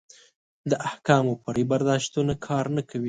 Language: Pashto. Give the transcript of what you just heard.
د احکامو فرعي برداشتونه کار نه کوي.